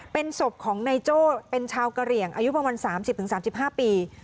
เป็นศพของนายโจ้เป็นชาวกะเหลี่ยงอายุประมาณ๓๐๓๕ปี